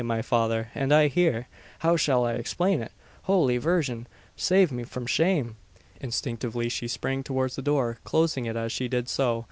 My father, and I here! How shall I explain it? Holy Virgin, save me from shame!" Instinctively she sprang towards the door, closing it, as she did so.